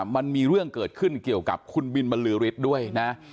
มันมีเรื่องเกิดขึ้นเกี่ยวกับคุณบินบรรลือฤทธิ์ด้วยนะ